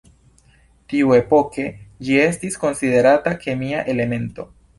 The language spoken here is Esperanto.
Tiuepoke ĝi estis konsiderata kemia elemento.